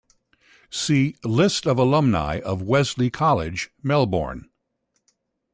See "List of alumni of Wesley College, Melbourne".